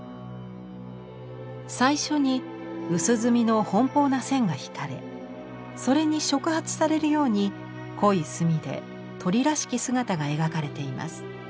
最初に薄墨の奔放な線が引かれそれに触発されるように濃い墨で鳥らしき姿が描かれています。